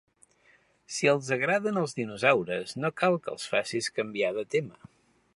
Si els agraden els dinosaures no cal que els facis canviar de tema.